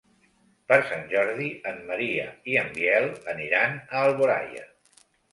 Per Sant Jordi en Maria i en Biel aniran a Alboraia.